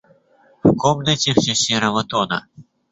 В комнате всё серого тона.